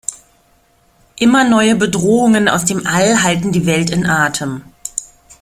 Immer neue Bedrohungen aus dem All halten die Welt in Atem.